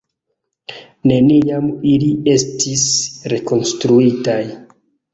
Neniam ili estis rekonstruitaj.